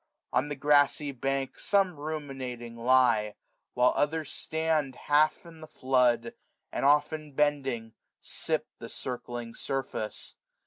On the grassy bank Some ruminating lie ; while others stand Half in the flood, and often bending sip The circling surface.